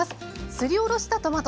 すりおろしたトマトソース。